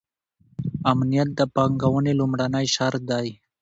امنیت د پانګونې لومړنی شرط دی.